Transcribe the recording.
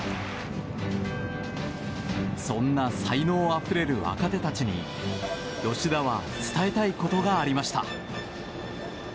そんな才能あふれる若手たちに吉田は伝えたいことがありました。